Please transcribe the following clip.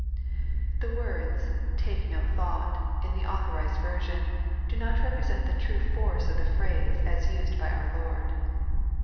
The words " take no thought," in the Authorized Version, do not represent the true force of the phrase as used by our Lord.